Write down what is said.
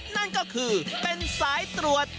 นั่นก็คือเป็นสายตรวจ